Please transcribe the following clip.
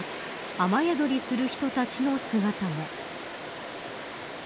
雨宿りする人たちの姿も。